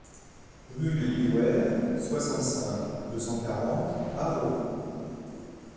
Rue de Lyouères, soixante-cinq, deux cent quarante Arreau